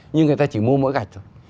nhưng người ta chỉ mua mỗi gạch thôi